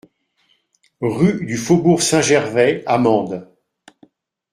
Rue du Faubourg Saint-Gervais à Mende